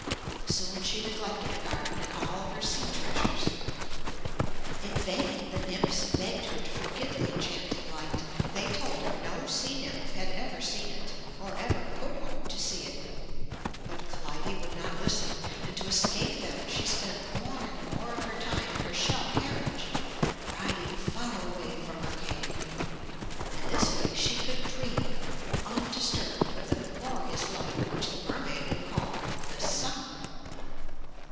Soon she neglected her garden and all her sea treasures. In vain the nymphs begged her to forget the en chanting light. They told her no sea nymph had ever seen it, or ever could hope to see it. But Clytie would not listen, and to escape them she spent more and more of her time in her shell carriage, riding far away from her cave. In this way she could dream, undis turbed, of the glorious light which the mermaid had called the ''sun.''